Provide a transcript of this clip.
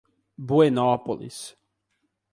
Buenópolis